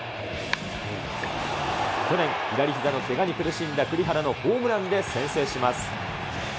去年、左ひざのけがに苦しんだ栗原のホームランで先制します。